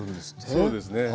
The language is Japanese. そうですね